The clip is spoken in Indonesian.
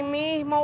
mau buat apa juga